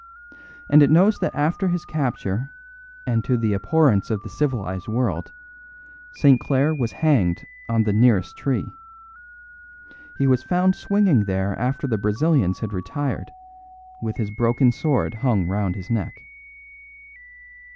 And it knows that after his capture, and to the abhorrence of the civilised world, St. Clare was hanged on the nearest tree. He was found swinging there after the Brazilians had retired, with his broken sword hung round his neck."